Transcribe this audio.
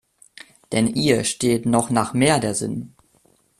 Denn ihr steht noch nach mehr der Sinn.